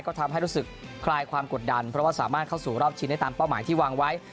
ก็ทำให้รู้สึกคลายความกดดันเพราะว่าสามารถเข้าสู่รอบชิงได้ตามเป้าหมายที่วางไว้